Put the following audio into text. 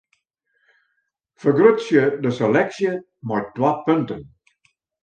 Fergrutsje de seleksje mei twa punten.